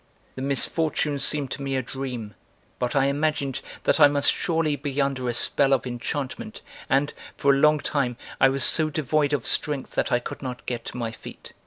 (The misfortune seemed to me a dream, but I imagined that I must surely be under a spell of enchantment and, for a long time, I was so devoid of strength that I could not get to my feet.